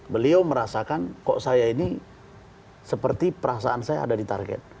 beliau merasakan kok saya ini seperti perasaan saya ada di target